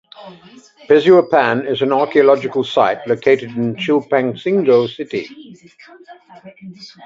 "Pezuapan" is an archaeological site located in Chilpancingo city.